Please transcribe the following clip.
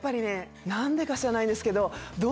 何でか知らないんですけど。